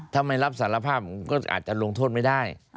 ถ้าไม่รับสารภาพมันก็อาจจะลงโทษไม่ได้